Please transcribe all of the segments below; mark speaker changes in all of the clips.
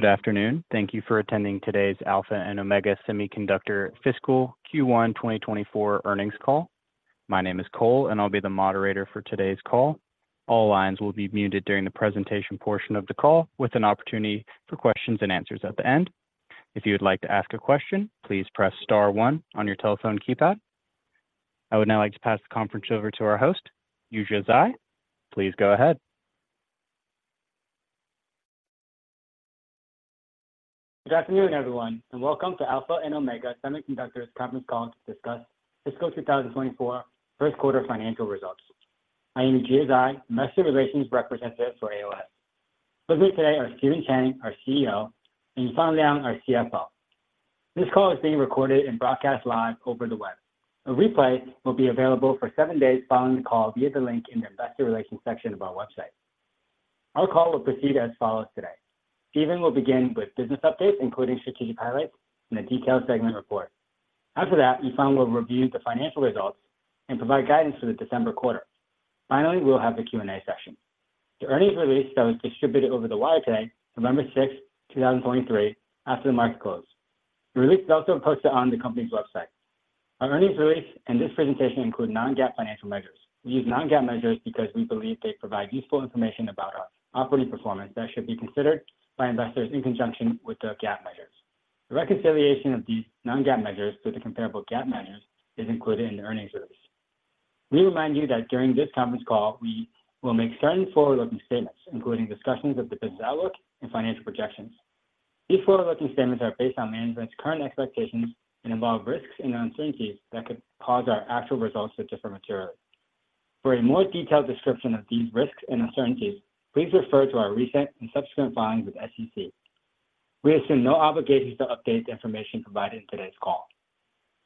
Speaker 1: Good afternoon. Thank you for attending today's Alpha and Omega Semiconductor fiscal Q1 2024 earnings call. My name is Cole, and I'll be the moderator for today's call. All lines will be muted during the presentation portion of the call, with an opportunity for questions and answers at the end. If you would like to ask a question, please press star one on your telephone keypad. I would now like to pass the conference over to our host, Yujia Zhai. Please go ahead.
Speaker 2: Good afternoon, everyone, and welcome to Alpha and Omega Semiconductor's conference call to discuss fiscal 2024 first quarter financial results. I am Yujia Zhai, Investor Relations representative for AOS. With me today are Stephen Chang, our CEO, and Yifan Liang, our CFO. This call is being recorded and broadcast live over the web. A replay will be available for seven days following the call via the link in the investor relations section of our website. Our call will proceed as follows today: Stephen will begin with business updates, including strategic highlights and a detailed segment report. After that, Yifan will review the financial results and provide guidance for the December quarter. Finally, we'll have the Q&A session. The earnings release that was distributed over the wire today, November 6th 2023, after the market closed. The release is also posted on the company's website. Our earnings release and this presentation include non-GAAP financial measures. We use non-GAAP measures because we believe they provide useful information about our operating performance that should be considered by investors in conjunction with the GAAP measures. The reconciliation of these non-GAAP measures to the comparable GAAP measures is included in the earnings release. We remind you that during this conference call, we will make certain forward-looking statements, including discussions of the business outlook and financial projections. These forward-looking statements are based on management's current expectations and involve risks and uncertainties that could cause our actual results to differ materially. For a more detailed description of these risks and uncertainties, please refer to our recent and subsequent filings with SEC. We assume no obligations to update the information provided in today's call.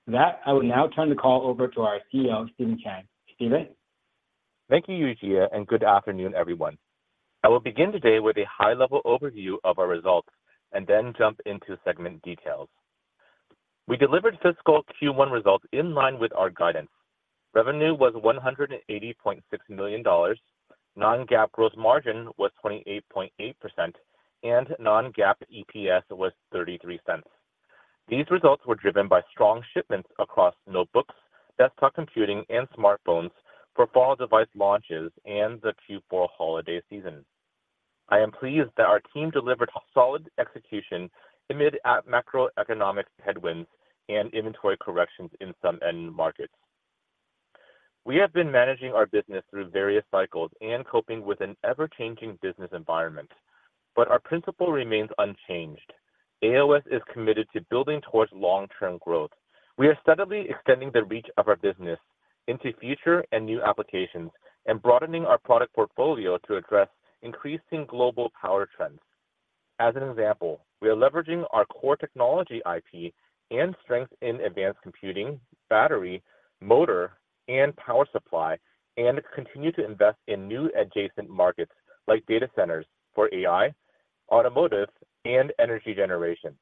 Speaker 2: With that, I will now turn the call over to our CEO, Stephen Chang. Stephen?
Speaker 3: Thank you, Yujia, and good afternoon, everyone. I will begin today with a high-level overview of our results and then jump into segment details. We delivered fiscal Q1 results in line with our guidance. Revenue was $180.6 million, non-GAAP gross margin was 28.8%, and non-GAAP EPS was $0.33. These results were driven by strong shipments across notebooks, desktop computing, and smartphones for fall device launches and the Q4 holiday season. I am pleased that our team delivered solid execution amid macroeconomic headwinds and inventory corrections in some end markets. We have been managing our business through various cycles and coping with an ever-changing business environment, but our principle remains unchanged. AOS is committed to building towards long-term growth. We are steadily extending the reach of our business into the future and new applications and broadening our product portfolio to address increasing global power trends. As an example, we are leveraging our core technology IP and strength in advanced computing, battery, motor, and power supply, and continue to invest in new adjacent markets like data centers for AI, automotive, and energy generation.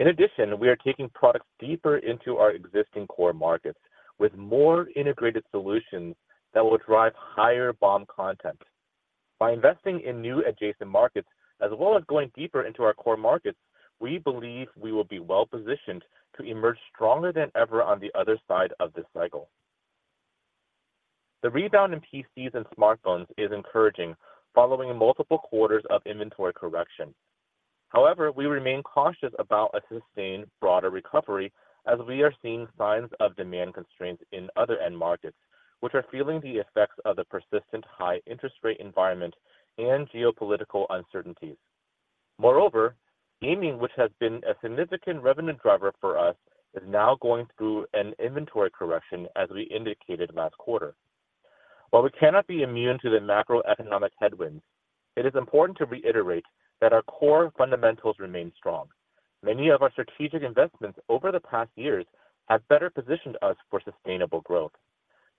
Speaker 3: In addition, we are taking products deeper into our existing core markets with more integrated solutions that will drive higher BOM content. By investing in new adjacent markets, as well as going deeper into our core markets, we believe we will be well-positioned to emerge stronger than ever on the other side of this cycle. The rebound in PCs and smartphones is encouraging following multiple quarters of inventory correction. However, we remain cautious about a sustained, broader recovery as we are seeing signs of demand constraints in other end markets, which are feeling the effects of the persistent high interest rate environment and geopolitical uncertainties. Moreover, gaming, which has been a significant revenue driver for us, is now going through an inventory correction, as we indicated last quarter. While we cannot be immune to the macroeconomic headwinds, it is important to reiterate that our core fundamentals remain strong. Many of our strategic investments over the past years have better positioned us for sustainable growth.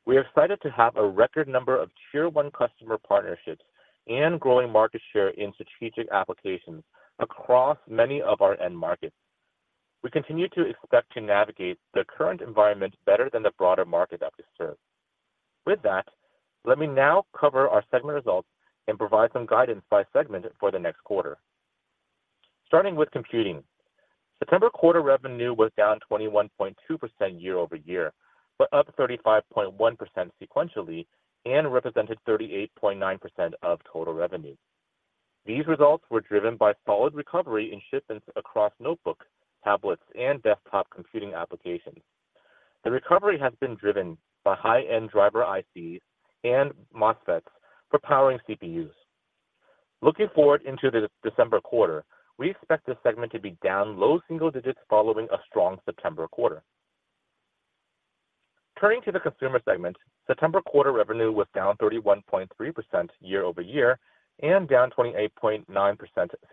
Speaker 3: We are excited to have a record number of Tier One customer partnerships and growing market share in strategic applications across many of our end markets. We continue to expect to navigate the current environment better than the broader market that we serve. With that, let me now cover our segment results and provide some guidance by segment for the next quarter. Starting with computing, September quarter revenue was down 21.2% year-over-year, but up 35.1% sequentially and represented 38.9% of total revenue. These results were driven by solid recovery in shipments across notebook, tablet, and desktop computing applications. The recovery has been driven by high-end driver ICs and MOSFETs for powering CPUs. Looking forward into the December quarter, we expect this segment to be down low single-digits following a strong September quarter. Turning to the consumer segment, September quarter revenue was down 31.3% year-over-year and down 28.9%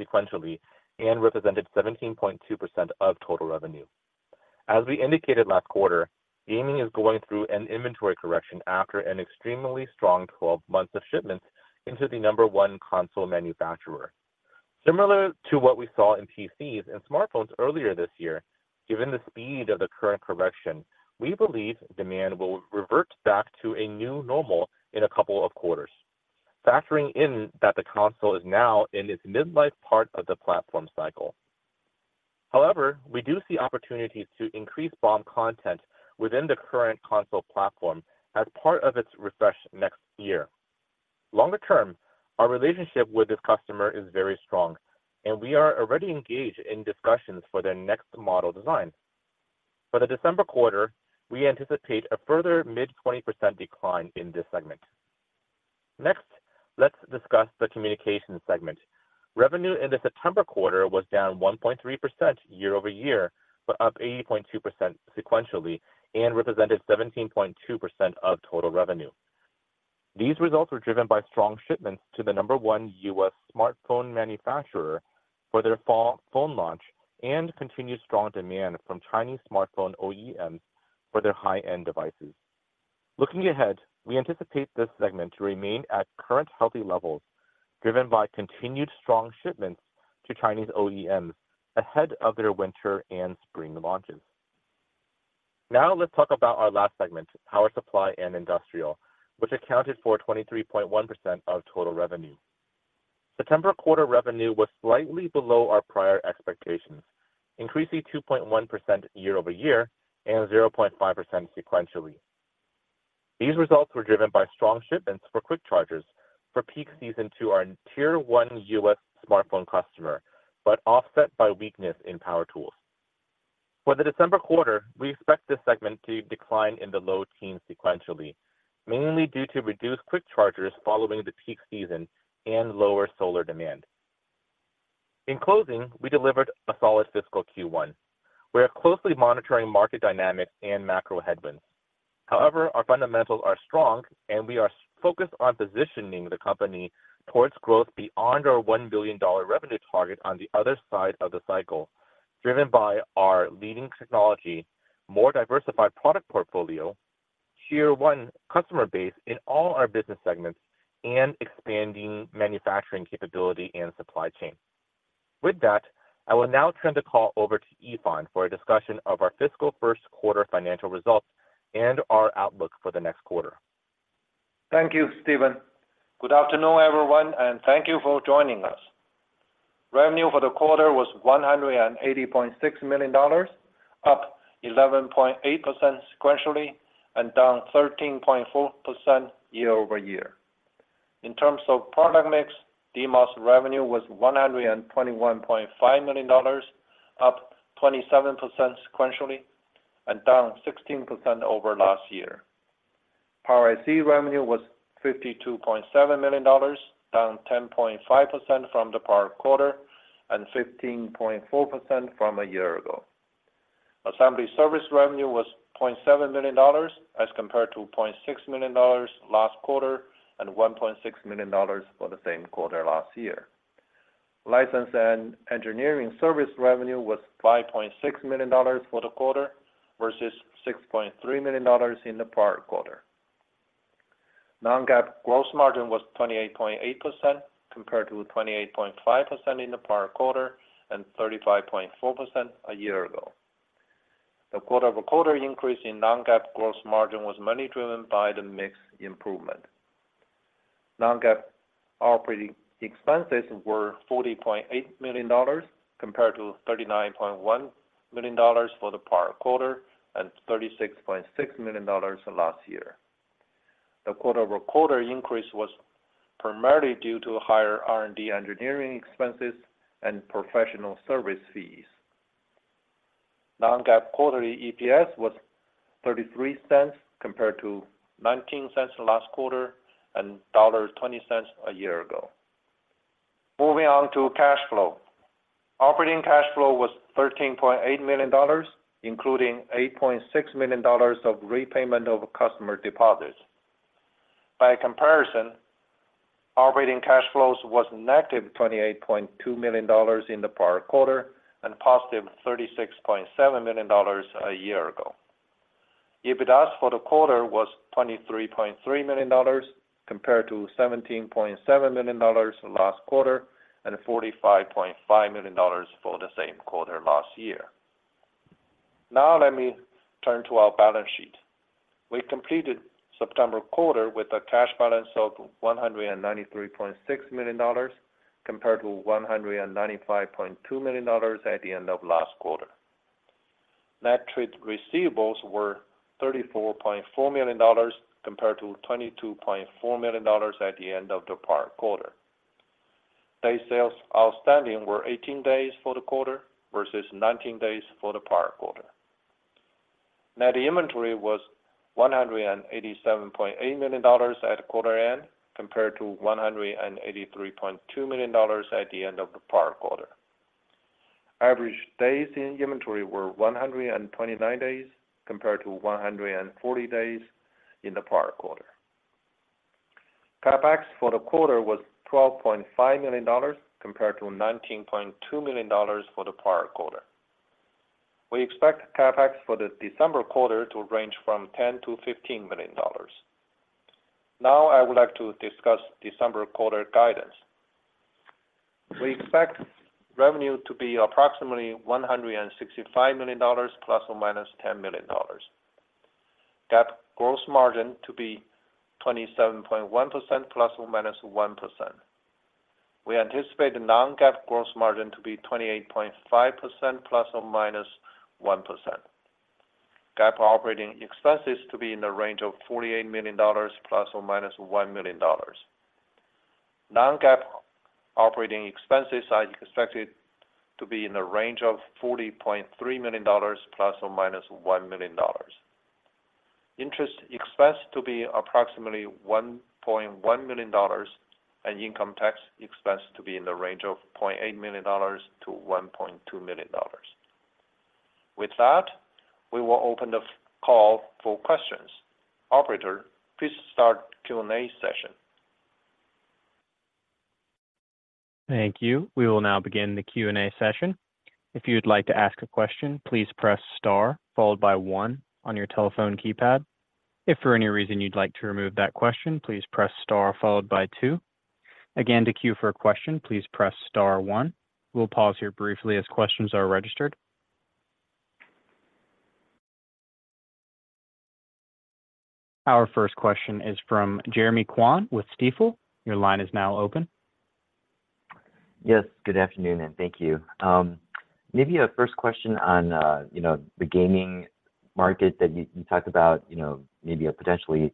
Speaker 3: sequentially and represented 17.2% of total revenue. As we indicated last quarter, gaming is going through an inventory correction after an extremely strong 12 months of shipments into the number one console manufacturer. Similar to what we saw in PCs and smartphones earlier this year. Given the speed of the current correction, we believe demand will revert back to a new normal in a couple of quarters, factoring in that the console is now in its mid-life part of the platform cycle. However, we do see opportunities to increase BOM content within the current console platform as part of its refresh next year. Longer-term, our relationship with this customer is very strong, and we are already engaged in discussions for their next model design. For the December quarter, we anticipate a further mid-20% decline in this segment. Next, let's discuss the communication segment. Revenue in the September quarter was down 1.3% year-over-year, but up 80.2% sequentially, and represented 17.2% of total revenue. These results were driven by strong shipments to the number one U.S. smartphone manufacturer for their fall phone launch and continued strong demand from Chinese smartphone OEMs for their high-end devices. Looking ahead, we anticipate this segment to remain at current healthy levels, driven by continued strong shipments to Chinese OEMs ahead of their winter and spring launches. Now, let's talk about our last segment, power supply and industrial, which accounted for 23.1% of total revenue. September quarter revenue was slightly below our prior expectations, increasing 2.1% year-over-year and 0.5% sequentially. These results were driven by strong shipments for quick chargers for peak season to our tier one U.S. smartphone customer, but offset by weakness in power tools. For the December quarter, we expect this segment to decline in the low teens sequentially, mainly due to reduced quick chargers following the peak season and lower solar demand. In closing, we delivered a solid fiscal Q1. We are closely monitoring market dynamics and macro headwinds. However, our fundamentals are strong, and we are focused on positioning the company towards growth beyond our $1 billion revenue target on the other side of the cycle, driven by our leading technology, more diversified product portfolio, tier one customer base in all our business segments, and expanding manufacturing capability and supply chain. With that, I will now turn the call over to Yifan for a discussion of our fiscal first quarter financial results and our outlook for the next quarter.
Speaker 4: Thank you, Stephen. Good afternoon, everyone, and thank you for joining us. Revenue for the quarter was $180.6 million, up 11.8% sequentially and down 13.4% year-over-year. In terms of product mix, DMOS revenue was $121.5 million, up 27% sequentially and down 16% over last year. Power IC revenue was $52.7 million, down 10.5% from the prior quarter and 15.4% from a year ago. Assembly service revenue was $0.7 million, as compared to $0.6 million last quarter and $1.6 million for the same quarter last year. License and engineering service revenue was $5.6 million for the quarter, versus $6.3 million in the prior quarter. Non-GAAP gross margin was 28.8%, compared to 28.5% in the prior quarter and 35.4% a year ago. The quarter-over-quarter increase in non-GAAP gross margin was mainly driven by the mix improvement. Non-GAAP operating expenses were $40.8 million, compared to $39.1 million for the prior quarter and $36.6 million last year. The quarter-over-quarter increase was primarily due to higher R&D engineering expenses and professional service fees. Non-GAAP quarterly EPS was $0.33, compared to $0.19 last quarter and $1.20 a year ago. Moving on to cash flow. Operating cash flow was $13.8 million, including $8.6 million of repayment of customer deposits. By comparison, operating cash flows was -$28.2 million in the prior quarter and $36.7 million a year ago. EBITDA for the quarter was $23.3 million, compared to $17.7 million last quarter and $45.5 million for the same quarter last year. Now, let me turn to our balance sheet. We completed September quarter with a cash balance of $193.6 million, compared to $195.2 million at the end of last quarter. Net trade receivables were $34.4 million, compared to $22.4 million at the end of the prior quarter. Days sales outstanding were 18 days for the quarter, versus 19 days for the prior quarter. Net inventory was $187.8 million at quarter end, compared to $183.2 million at the end of the prior quarter. Average days in inventory were 129 days, compared to 140 days in the prior quarter. CapEx for the quarter was $12.5 million, compared to $19.2 million for the prior quarter. We expect CapEx for the December quarter to range from $10 million-$15 million. Now, I would like to discuss the December quarter guidance....
Speaker 3: We expect revenue to be approximately $165 million, $±10 million. GAAP gross margin to be 27.1%, ±1%. We anticipate the non-GAAP gross margin to be 28.5%, ±1%. GAAP operating expenses to be in the range of $48 million, $±1 million. Non-GAAP operating expenses are expected to be in the range of $40.3 million, $±1 million. Interest expense to be approximately $1.1 million, and income tax expense to be in the range of $0.8 million-$1.2 million. With that, we will open the call for questions. Operator, please start the Q&A session.
Speaker 1: Thank you. We will now begin the Q&A session. If you'd like to ask a question, please press star, followed by one on your telephone keypad. If for any reason you'd like to remove that question, please press star, followed by two. Again, to queue for a question, please press star one. We'll pause here briefly as questions are registered. Our first question is from Jeremy Kwan with Stifel. Your line is now open.
Speaker 5: Yes, good afternoon, and thank you. Maybe a first question on, you know, the gaming market that you, you talked about, you know, maybe potentially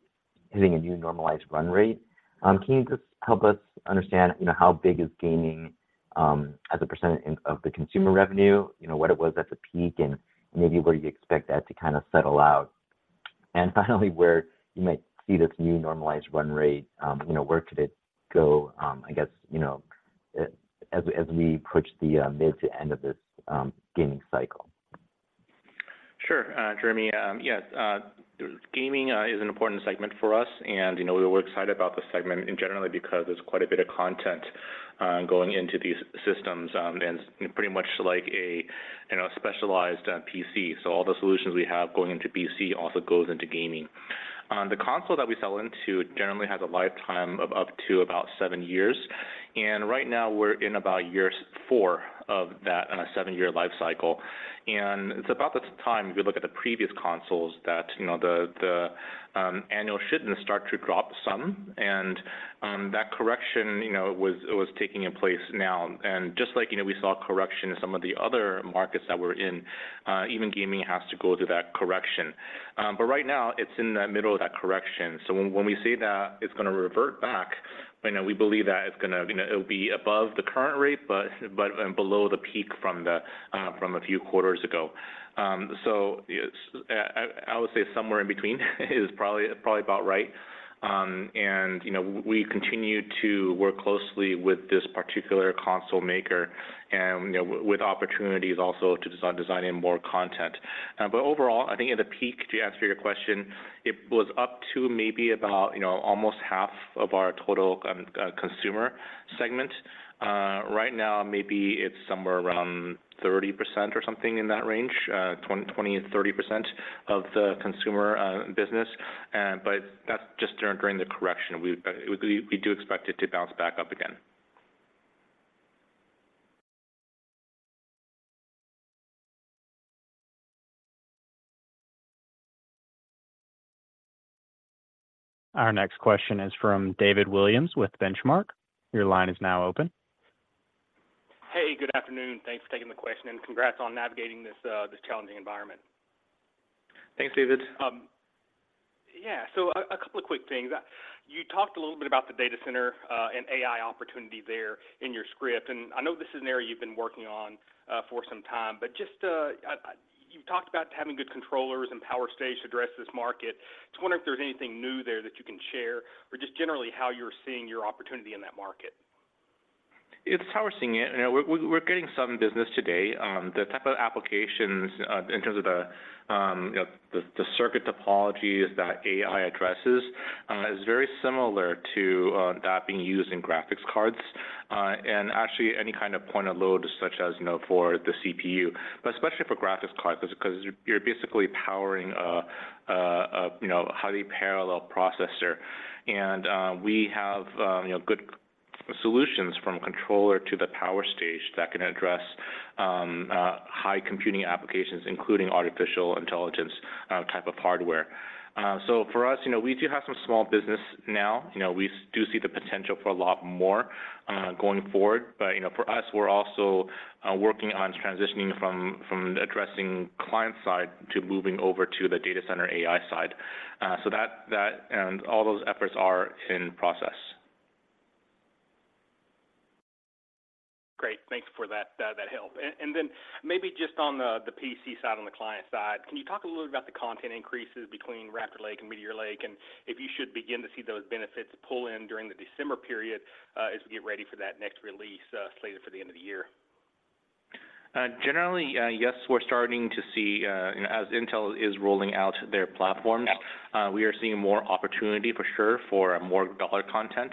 Speaker 5: hitting a new normalized run rate. Can you just help us understand, you know, how big is gaming, as a percentage in, of the consumer revenue? You know, what it was at the peak, and maybe where you expect that to kind of settle out. And finally, where you might see this new normalized run rate, you know, where could it go, I guess, you know, as we approach the mid to end of this gaming cycle?
Speaker 3: Sure. Jeremy, yes, gaming is an important segment for us, and, you know, we're excited about the segment in general because there's quite a bit of content going into these systems, and pretty much like a, you know, specialized PC. So all the solutions we have going into PC also goes into gaming. On the console that we sell into, generally has a lifetime of up to about seven years, and right now we're in about year four of that on a seven-year life cycle. And it's about the time, if you look at the previous consoles, that, you know, the annual shipments start to drop some, and, that correction, you know, it was taking place now. Just like, you know, we saw a correction in some of the other markets that we're in, even gaming has to go through that correction. But right now, it's in the middle of that correction. So when we say that, it's gonna revert back, you know, we believe that it's gonna, you know, it'll be above the current rate, but and below the peak from a few quarters ago. So it's, I would say somewhere in between is probably about right. And, you know, we continue to work closely with this particular console maker and, you know, with opportunities also to design in more content. But overall, I think at the peak, to answer your question, it was up to maybe about, you know, almost half of our total consumer segment. Right now, maybe it's somewhere around 30% or something in that range, 20%-30% of the consumer business. But that's just during the correction. We do expect it to bounce back up again.
Speaker 1: Our next question is from David Williams with Benchmark. Your line is now open.
Speaker 6: Hey, good afternoon. Thanks for taking the question, and congrats on navigating this challenging environment.
Speaker 3: Thanks, David.
Speaker 6: Yeah, so a couple of quick things. You talked a little bit about the data center and AI opportunity there in your script, and I know this is an area you've been working on for some time, but just, you've talked about having good controllers and a power stage to address this market. Just wondering if there's anything new there that you can share, or just generally, how you're seeing your opportunity in that market?
Speaker 3: It's how we're seeing it. You know, we're getting some business today. The type of applications, in terms of the, you know, the circuit topologies that AI addresses, is very similar to that being used in graphics cards, and actually any kind of point of load, such as, you know, for the CPU, but especially for graphics cards, because you're basically powering a, you know, a highly parallel processor. And we have, you know, good solutions from the controller to the power stage that can address high computing applications, including artificial intelligence type of hardware. So for us, you know, we do have some small business now. You know, we do see the potential for a lot more going forward. You know, for us, we're also working on transitioning from addressing client side to moving over to the data center AI side. So that and all those efforts are in process.
Speaker 6: Great, thanks for that. That helped. Then, maybe just on the PC side, on the client side, can you talk a little about the content increases between Raptor Lake and Meteor Lake, and if you should begin to see those benefits pull in during the December period, as we get ready for that next release, slated for the end of the year?
Speaker 3: Generally, yes, we're starting to see. As Intel is rolling out their platforms, we are seeing more opportunity for sure, for more dollar content.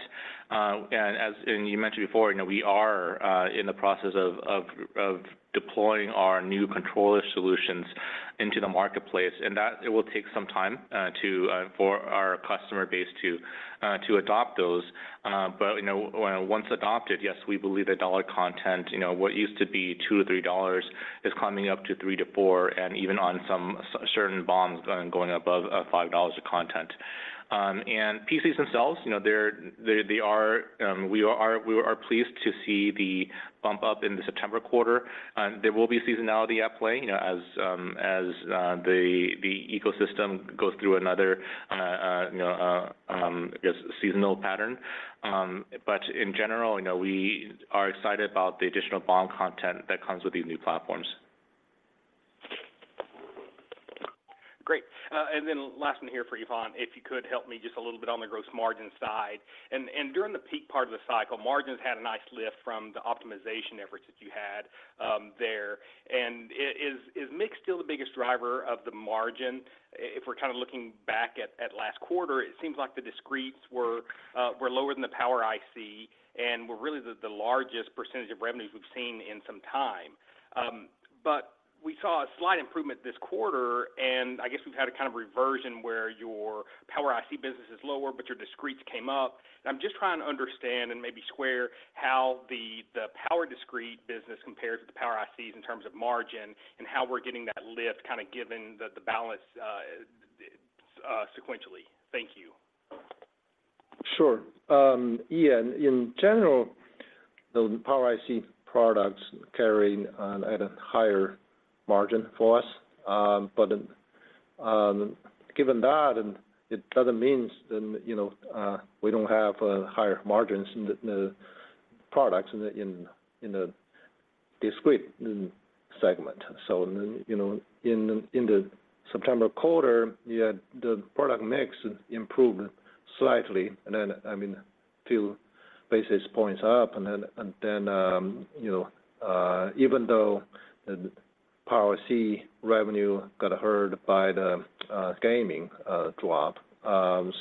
Speaker 3: And as you mentioned before, you know, we are in the process of deploying our new controller solutions into the marketplace, and that it will take some time for our customer base to adopt those, but, you know, when once adopted, yes, we believe the dollar content, you know, what used to be $2-$3 is climbing up to $3-$4, and even on some certain platforms, going above $5 a content. And PCs themselves, you know, we are pleased to see the bump up in the September quarter. There will be seasonality at play, you know, as the ecosystem goes through another, you know, just seasonal pattern. But in general, you know, we are excited about the additional BOM content that comes with these new platforms.
Speaker 6: Great. And then the last one here for Yifan. If you could help me just a little bit on the gross margin side. And during the peak part of the cycle, margins had a nice lift from the optimization efforts that you had there. And is mix still the biggest driver of the margin? If we're kind of looking back at last quarter, it seems like the discretes were lower than the Power IC, and were really the largest percentage of revenues we've seen in some time. But we saw a slight improvement this quarter, and I guess we've had a kind of reversion where your Power IC business is lower, but your discretes came up. I'm just trying to understand and maybe square how the power discrete business compares to the power ICs in terms of margin, and how we're getting that lift, kind of, given the balance sequentially. Thank you.
Speaker 4: Sure. Yean, in general, the Power IC products carrying at a higher margin for us. But, given that, and it doesn't mean then, you know, we don't have higher margins in the products in the discrete segment. So, you know, in the September quarter, yeah, the product mix improved slightly, and then, I mean, few basis points up. And then, even though the Power IC revenue got hurt by the gaming drop,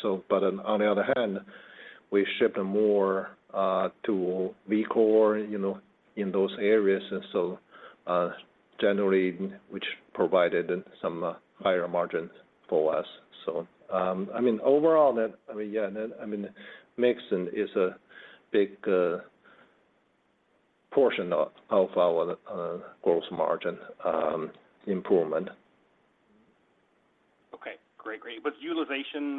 Speaker 4: so but on the other hand, we shipped more to Vcore, you know, in those areas, and so generally, which provided some higher margins for us. So, I mean, overall, then, I mean, yeah, then, I mean, mix is a big portion of our gross margin improvement.
Speaker 6: Okay, great. Great. Was utilization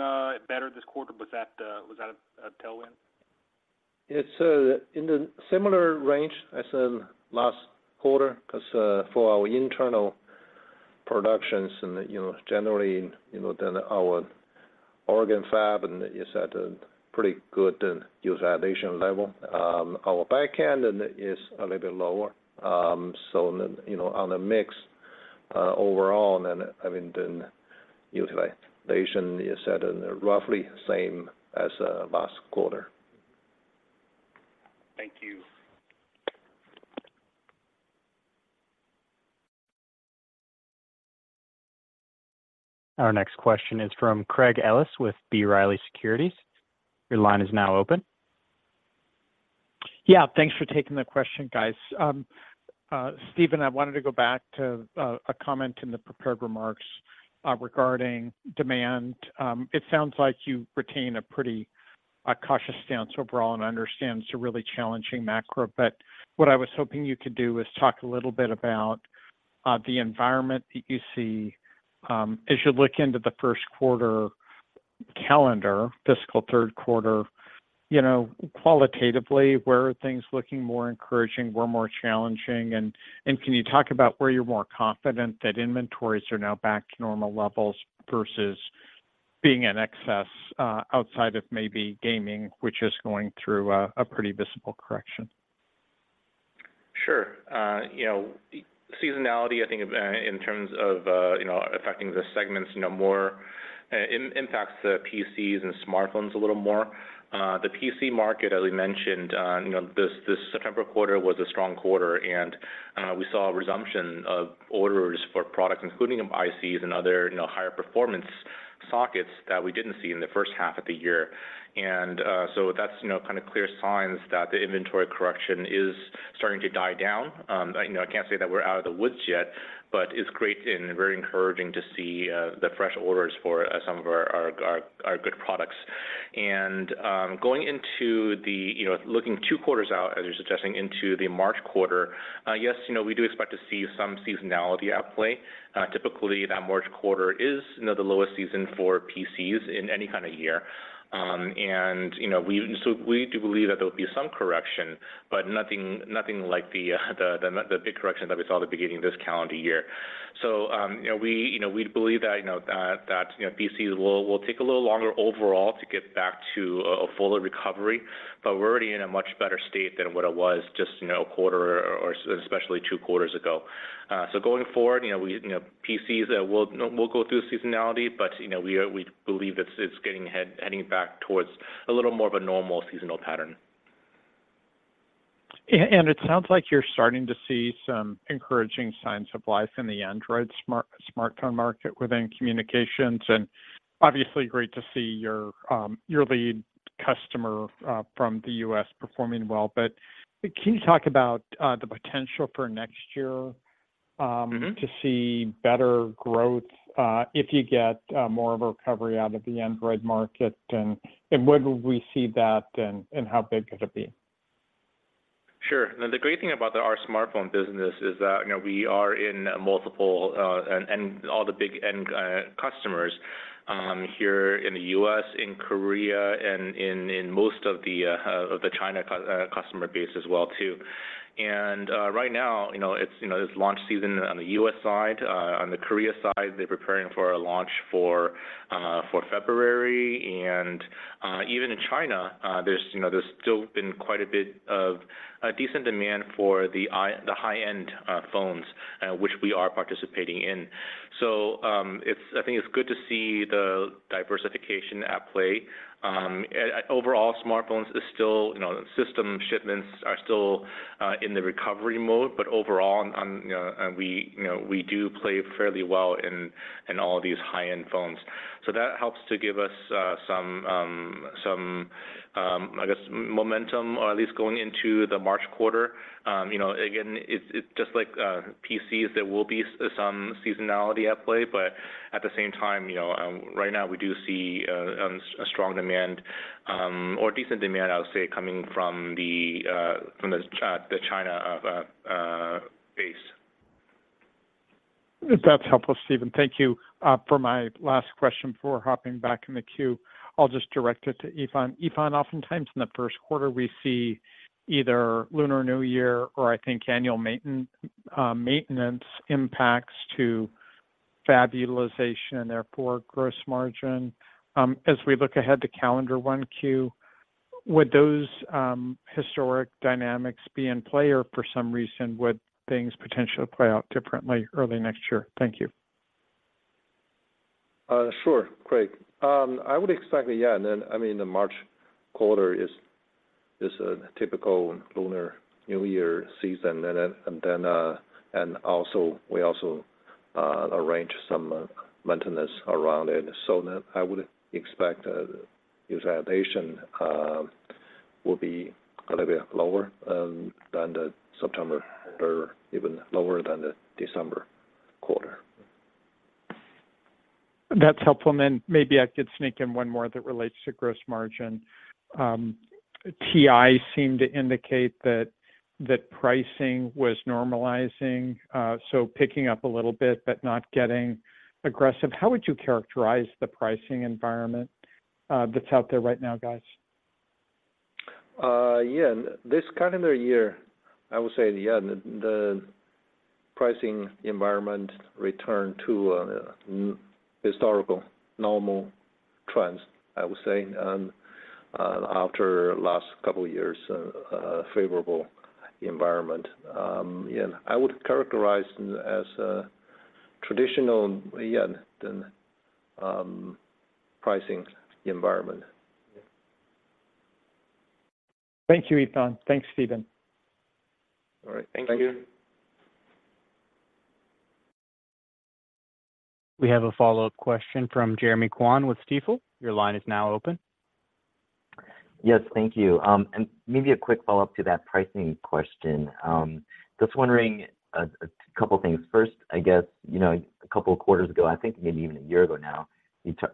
Speaker 6: better this quarter? Was that a tailwind?
Speaker 4: It's in the similar range as last quarter, 'cause for our internal productions and, you know, generally, you know, then our Oregon fab, and is at a pretty good utilization level. Our back-end is a little bit lower. So, you know, on the mix, overall, then, I mean, then utilization is at roughly the same as last quarter.
Speaker 6: Thank you.
Speaker 1: Our next question is from Craig Ellis with B. Riley Securities. Your line is now open.
Speaker 7: Yeah, thanks for taking the question, guys. Stephen, I wanted to go back to a comment in the prepared remarks regarding demand. It sounds like you retain a pretty cautious stance overall, and I understand it's a really challenging macro, but what I was hoping you could do is talk a little bit about the environment that you see as you look into the first quarter calendar, fiscal third quarter. You know, qualitatively, where are things looking more encouraging, where more challenging? And can you talk about where you're more confident that inventories are now back to normal levels versus being in excess outside of maybe gaming, which is going through a pretty visible correction?
Speaker 3: Sure. You know, seasonality, I think, in terms of, you know, affecting the segments, you know, more, impacts the PCs and smartphones a little more. The PC market, as we mentioned, you know, this September quarter was a strong quarter, and we saw a resumption of orders for products, including ICs and other, you know, higher performance sockets that we didn't see in the first half of the year. And so that's, you know, kind of, clear signs that the inventory correction is starting to die down. You know, I can't say that we're out of the woods yet, but it's great and very encouraging to see the fresh orders for some of our good products. Going into the, you know, looking two quarters out, as you're suggesting, into the March quarter, yes, you know, we do expect to see some seasonality at play. Typically, that March quarter is, you know, the lowest season for PCs in any kind of year. And, you know, so we do believe that there will be some correction, but nothing, nothing like the big correction that we saw at the beginning of this calendar year. So, you know, we, you know, we believe that, you know, PCs will take a little longer overall to get back to a fuller recovery, but we're already in a much better state than what it was just, you know, a quarter or especially two quarters ago. So going forward, you know, we, you know, PCs will go through seasonality, but, you know, we believe it's heading back towards a little more of a normal seasonal pattern.
Speaker 7: It sounds like you're starting to see some encouraging signs of life in the Android smartphone market within communications, and obviously, great to see your lead customer from the U.S. performing well. But can you talk about the potential for next year to see better growth if you get more of a recovery out of the Android market, and when will we see that and how big could it be?
Speaker 3: Sure. Now, the great thing about our smartphone business is that, you know, we are in multiple, and all the big end customers here in the U.S., in Korea, and in most of the China customer base as well, too. And right now, you know, it's launch season on the U.S. side. On the Korea side, they're preparing for a launch for February. And even in China, you know, there's still been quite a bit of decent demand for the high-end phones, which we are participating in. So, I think it's good to see the diversification at play. Overall, smartphones is still, you know, system shipments are still in the recovery mode, but overall, on, on, you know, and we, you know, we do play fairly well in all these high-end phones. So that helps to give us some, some, I guess, momentum, or at least going into the March quarter. You know, again, it's just like PCs, there will be some seasonality at play, but at the same time, you know, right now we do see a strong demand, or decent demand, I would say, coming from the China base.
Speaker 7: That's helpful, Stephen. Thank you. For my last question before hopping back in the queue, I'll just direct it to Yifan. Yifan, oftentimes in the first quarter, we see either Lunar New Year or I think annual maintenance impacts to fab utilization and therefore, gross margin. As we look ahead to calendar 1Q, would those historic dynamics be in play, or for some reason, would things potentially play out differently early next year? Thank you.
Speaker 4: Sure, Craig. I would expect, yeah, and then, I mean, the March quarter is a typical Lunar New Year season, and then, and also, we also arrange some maintenance around it. So then I would expect utilization will be a little bit lower than the September quarter, even lower than the December quarter.
Speaker 7: That's helpful. Then maybe I could sneak in one more that relates to gross margin. TI seemed to indicate that, that pricing was normalizing, so picking up a little bit, but not getting aggressive. How would you characterize the pricing environment, that's out there right now, guys?
Speaker 4: Yeah, this calendar year, I would say, yeah, the pricing environment returned to historical normal trends, I would say, after last couple of years, a favorable environment. Yeah, I would characterize as a traditional, yeah, then, pricing environment.
Speaker 7: Thank you, Yifan. Thanks, Stephen.
Speaker 3: All right. Thank you.
Speaker 4: Thank you.
Speaker 1: We have a follow-up question from Jeremy Kwan with Stifel. Your line is now open.
Speaker 5: Yes, thank you. And maybe a quick follow-up to that pricing question. Just wondering, a couple of things. First, I guess, you know, a couple of quarters ago, I think maybe even a year ago now,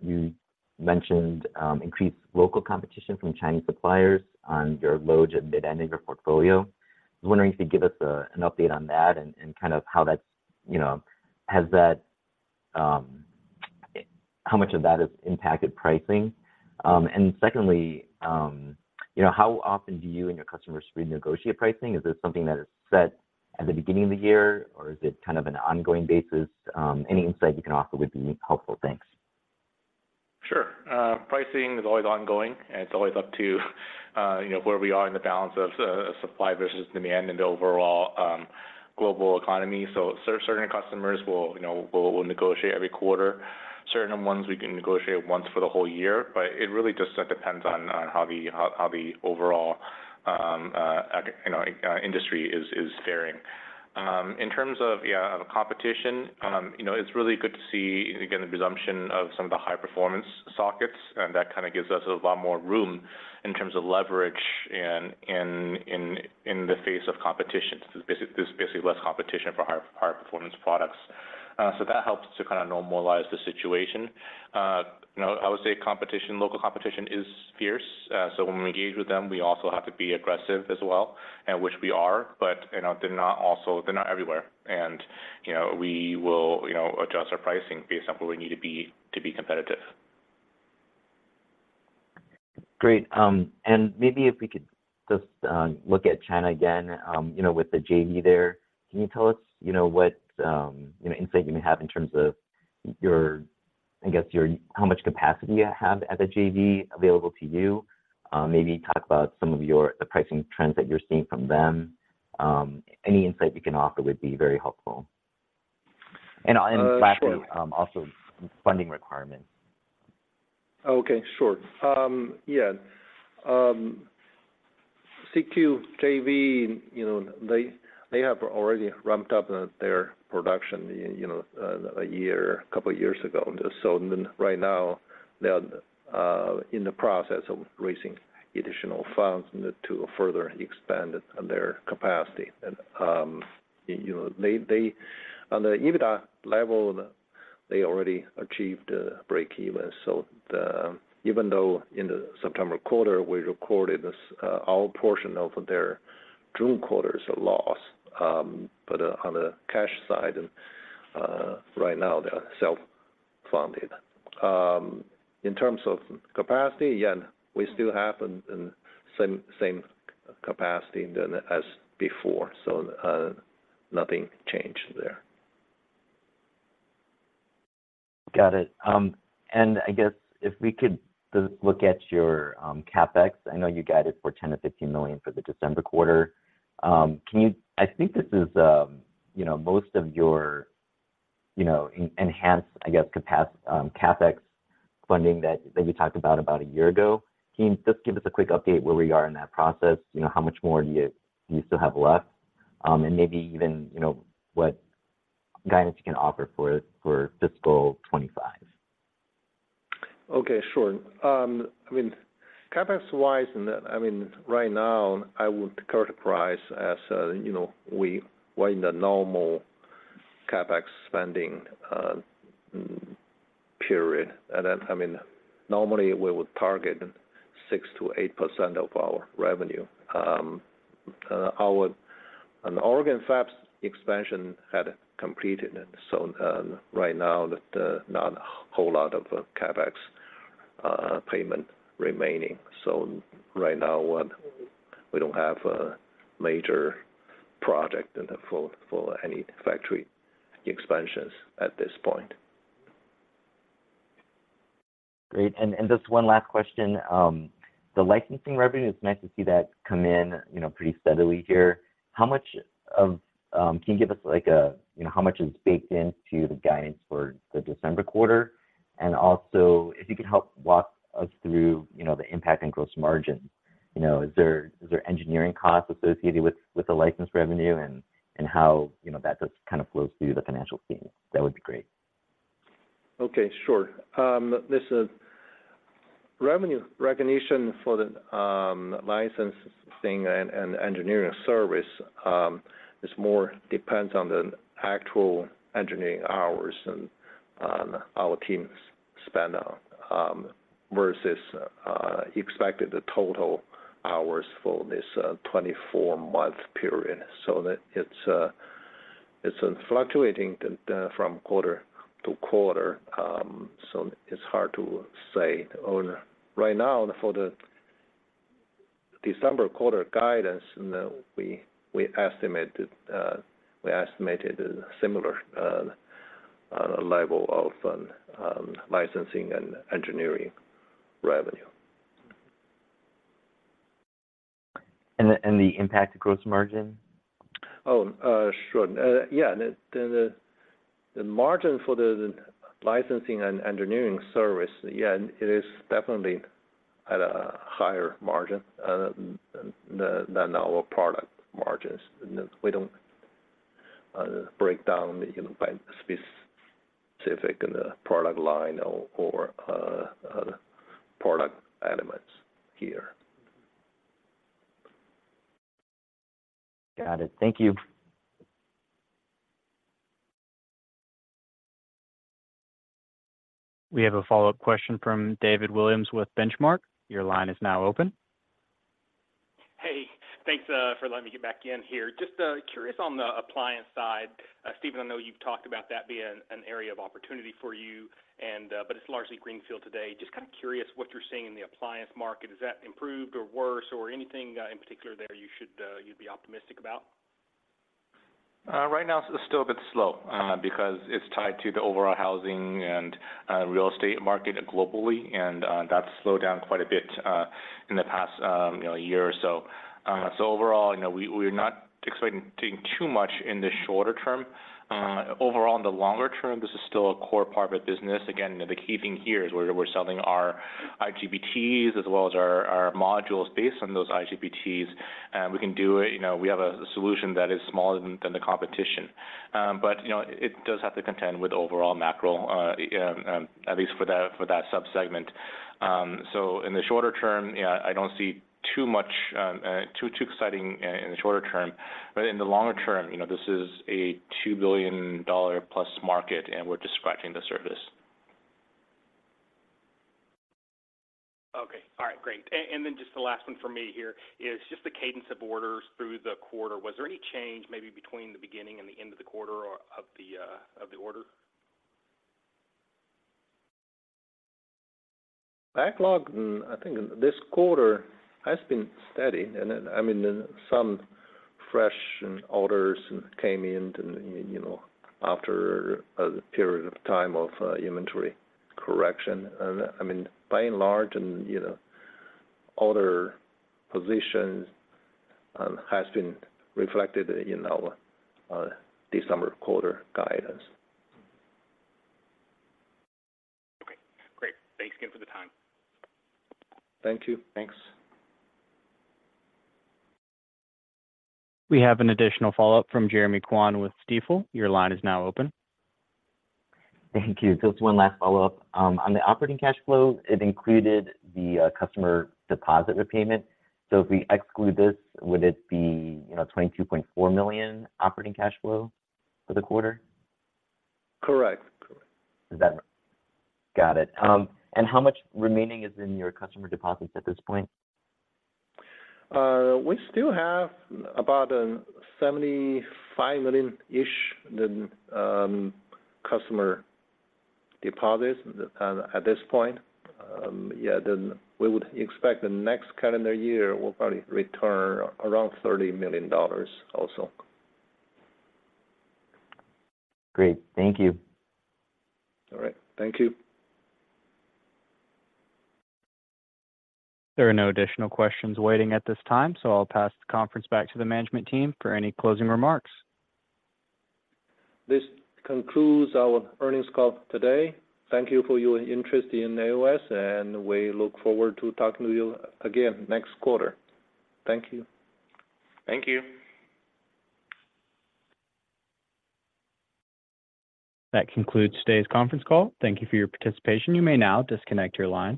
Speaker 5: you mentioned increased local competition from Chinese suppliers on your low to mid-end of your portfolio. I was wondering if you could give us an update on that and kind of how that's, you know, has that how much of that has impacted pricing? And secondly, you know, how often do you and your customers renegotiate pricing? Is this something that is set at the beginning of the year, or is it kind of an ongoing basis? Any insight you can offer would be helpful. Thanks.
Speaker 3: Sure. Pricing is always ongoing, and it's always up to, you know, where we are in the balance of supply versus demand in the overall global economy. So certain customers will, you know, will negotiate every quarter. Certain ones, we can negotiate once for the whole year. But it really just depends on how the overall, you know, industry is faring. In terms of competition, you know, it's really good to see, again, the resumption of some of the high-performance sockets, and that kind of gives us a lot more room in terms of leverage in the face of competition. There's basically less competition for high-performance products. So that helps to kind of normalize the situation. You know, I would say competition, local competition, is fierce. So when we engage with them, we also have to be aggressive as well, and which we are, but, you know, they're not also, they're not everywhere. You know, we will, you know, adjust our pricing based on where we need to be to be competitive.
Speaker 5: Great. And maybe if we could just look at China again, you know, with the JV there. Can you tell us, you know, what insight you may have in terms of your, I guess, your how much capacity you have at the JV available to you? Maybe talk about some of your, the pricing trends that you're seeing from them. Any insight you can offer would be very helpful. And
Speaker 4: Sure...
Speaker 5: and lastly, also funding requirements.
Speaker 4: Okay, sure. Yeah, CQ JV, you know, they have already ramped up their production, you know, a couple of years ago. So then right now, they are in the process of raising additional funds to further expand their capacity. And, you know, on the EBITDA level, they already achieved breakeven. So, even though in the September quarter, we recorded our portion of their June quarter's loss, but on the cash side, and right now, they are self-funded. In terms of capacity, yeah, we still have the same capacity than as before, so nothing changed there.
Speaker 5: Got it. And I guess if we could just look at your CapEx, I know you guided for $10 million-$15 million for the December quarter. Can you? I think this is, you know, most of your, you know, enhanced capacity CapEx funding that, that you talked about about a year ago. Can you just give us a quick update where we are in that process? You know, how much more do you, you still have left? And maybe even, you know, what guidance you can offer for fiscal 2025.
Speaker 4: Okay, sure. I mean, CapEx-wise, I mean, right now, I would characterize as you know, we were in the normal CapEx spending period. And then, I mean, normally, we would target 6%-8% of our revenue. And the Oregon fabs expansion had completed, so right now, there's not a whole lot of CapEx payment remaining. So right now, we don't have a major project for any factory expansions at this point.
Speaker 5: Great. And just one last question: The licensing revenue, it's nice to see that come in, you know, pretty steadily here. How much of... Can you give us, like, you know, how much is baked into the guidance for the December quarter? And also, if you could help walk us through, you know, the impact on gross margin. You know, is there engineering costs associated with the license revenue and how, you know, that just kind of flows through the financial team? That would be great.
Speaker 4: Okay, sure. This is revenue recognition for the licensing and engineering service, is more depends on the actual engineering hours and our teams spend versus expected the total hours for this 24-month period. So that it's fluctuating from quarter to quarter, so it's hard to say. Well, right now, for the December quarter guidance, you know, we estimated a similar level of licensing and engineering revenue.
Speaker 5: And the impact to gross margin?
Speaker 4: Oh, sure. Yeah, the margin for the licensing and engineering service, yeah, it is definitely at a higher margin than our product margins. We don't break down, you know, by specific in the product line or product elements here.
Speaker 5: Got it. Thank you.
Speaker 1: We have a follow-up question from David Williams with Benchmark. Your line is now open.
Speaker 6: Hey, thanks, for letting me get back in here. Just, curious on the appliance side. Stephen, I know you've talked about that being an area of opportunity for you and, but it's largely greenfield today. Just kind of curious what you're seeing in the appliance market. Has that improved or worse, or anything, in particular there you should, you'd be optimistic about?
Speaker 3: Right now, it's still a bit slow because it's tied to the overall housing and real estate market globally, and that's slowed down quite a bit in the past, you know, year or so. So overall, you know, we're not expecting too much in the shorter-term. Overall, in the longer-term, this is still a core part of our business. Again, the key thing here is we're selling our IGBTs, as well as our modules based on those IGBTs, and we can do it, you know, we have a solution that is smaller than the competition. But you know, it does have to contend with the overall macro, at least for that subsegment. So in the shorter-term, yeah, I don't see too much, too exciting in the shorter-term. But in the longer-term, you know, this is a $2 billion-plus market, and we're just scratching the surface.
Speaker 6: Okay. All right, great. And then just the last one for me here is just the cadence of orders through the quarter. Was there any change, maybe between the beginning and the end of the quarter or of the order?
Speaker 4: Backlog, I think this quarter, has been steady, and then, I mean, some fresh orders came in and, you know, after a period of time of, inventory correction. And, I mean, by and large, and, you know, order positions, has been reflected in our, December quarter guidance.
Speaker 6: Okay, great. Thanks again for the time.
Speaker 4: Thank you. Thanks.
Speaker 1: We have an additional follow-up from Jeremy Kwan with Stifel. Your line is now open.
Speaker 5: Thank you. Just one last follow-up. On the operating cash flow, it included the customer deposit repayment. So if we exclude this, would it be, you know, $22.4 million operating cash flow for the quarter?
Speaker 4: Correct. Correct.
Speaker 5: Got it.
Speaker 4: Um-
Speaker 5: How much remaining is in your customer deposits at this point?
Speaker 4: We still have about $75 million-ish in customer deposits at this point. Yeah, then we would expect the next calendar year will probably return around $30 million also.
Speaker 5: Great. Thank you.
Speaker 4: All right. Thank you.
Speaker 1: There are no additional questions waiting at this time, so I'll pass the conference back to the management team for any closing remarks.
Speaker 4: This concludes our earnings call today. Thank you for your interest in AOS, and we look forward to talking to you again next quarter. Thank you.
Speaker 3: Thank you.
Speaker 1: That concludes today's conference call. Thank you for your participation. You may now disconnect your line.